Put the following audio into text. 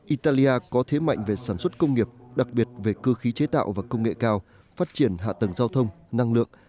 italia có thế mạnh về sản xuất công nghiệp đặc biệt về cơ khí chế tạo và công nghệ cao phát triển hạ tầng giao thông năng lượng